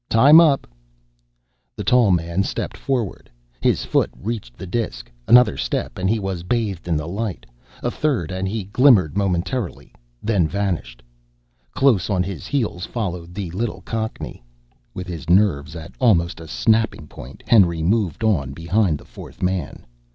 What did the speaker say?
"Time up!" The tall man stepped forward. His foot reached the disk; another step and he was bathed in the light, a third and he glimmered momentarily, then vanished. Close on his heels followed the little cockney. With his nerves at almost a snapping point, Henry moved on behind the fourth man.